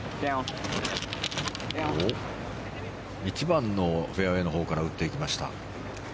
１番のフェアウェーのほうから打っていきました。